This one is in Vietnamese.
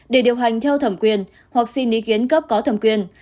để điều hành theo thẩm quyền hoặc xin ý kiến cấp có thẩm quyền